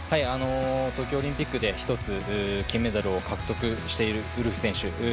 東京オリンピックで１つ金メダルを獲得しているウルフ選手。